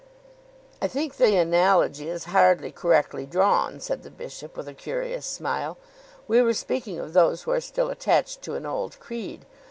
"I think the analogy is hardly correctly drawn," said the bishop, with a curious smile. "We were speaking of those who are still attached to an old creed.